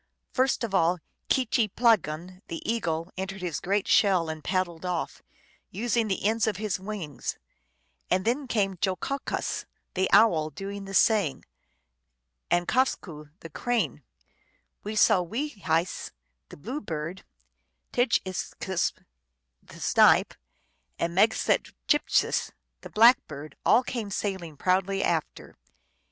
First of all Kicheeplagon, the Eagle, entered his great shell and paddled off, using the ends of his wings ; and then came Jo ko kas, the Owl, doing the same ; and JfosqiC, the Crane, Wee sow wee Jiessis, the Bluebird, Tjidge is skwess, the Snipe, and Meg sweit tcMp siS) the Blackbird, all came sailing proudly after.